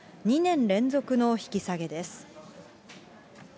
２年連続の引き下げです。